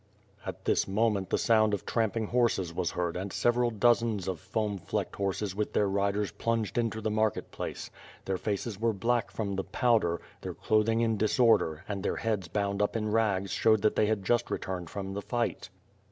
At this moment the sound of tramping horses \/as heard and several dozens of foam flecked horses with their riders plunged into the market place. Their faces were black from the powder; their clothing in disorder, and their heads bound up in rags showed that they had just returned from the fight.